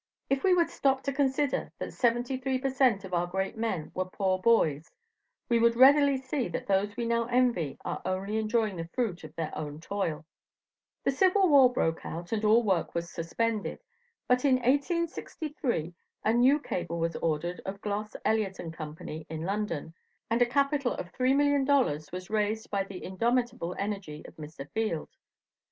If we would stop to consider that seventy three per cent. of our great men were poor boys, we would readily see that those we now envy are only enjoying the fruit of their own toil. The civil war broke out and all work was suspended, but in 1863 a new cable was ordered of Gloss, Elliot & Company in London, and a capital of $3,000,000 was raised by the indomitable energy of Mr. Field.